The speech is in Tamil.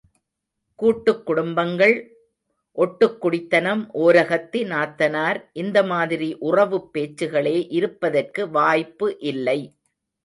கூட்டுக் குடும்பங்கள், ஒட்டுக் குடித்தனம், ஓரகத்தி, நாத்தனார் இந்த மாதிரி உறவுப் பேச்சுகளே இருப்பதற்கு வாய்ப்பு இல்லை.